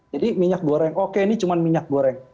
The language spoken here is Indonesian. jadi minyak goreng oke ini cuma minyak goreng